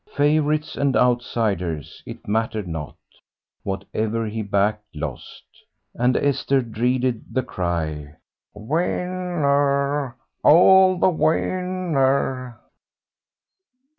Favourites and outsiders, it mattered not; whatever he backed lost; and Esther dreaded the cry "Win ner, all the win ner!"